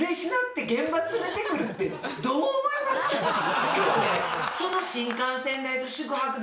しかもね。